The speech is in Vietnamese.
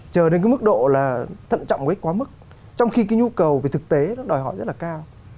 chờ đến cái mức độ là thận trọng với quá mức trong khi cái nhu cầu về thực tế nó đòi hỏi rất là cao